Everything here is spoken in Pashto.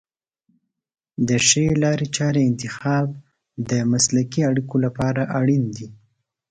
د ښې لارې چارې انتخاب د مسلکي اړیکو لپاره اړین دی.